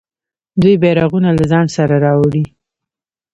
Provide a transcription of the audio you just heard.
دوی بیرغونه له ځان سره راوړي.